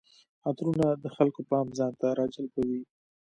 عطرونه د خلکو پام ځان ته راجلبوي.